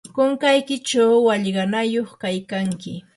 kunkaykichaw wallqanayuq kaykanki.